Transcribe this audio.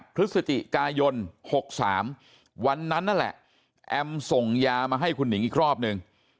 พฤศจิกายน๖๓วันนั้นนั่นแหละแอมส่งยามาให้คุณหนิงอีกรอบนึง